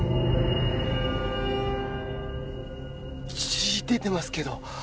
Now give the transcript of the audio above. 血出てますけど。